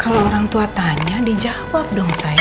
kalau orang tua tanya dijawab dong saya